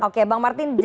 oke bang martin